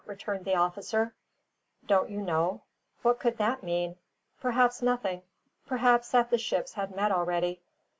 returned the officer. Don't you know? What could that mean? Perhaps nothing: perhaps that the ships had met already.